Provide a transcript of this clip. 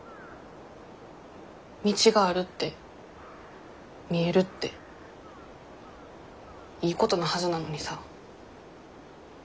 道があるって見えるっていいことのはずなのにさ。